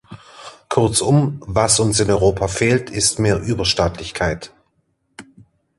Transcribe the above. Kurzum, was uns in Europa fehlt ist mehr Überstaatlichkeit.